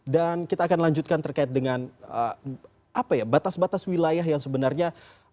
dan kita akan lanjutkan terkait dengan batas batas wilayah yang sebenarnya